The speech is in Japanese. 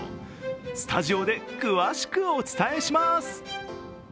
スタジオで詳しくお伝えします。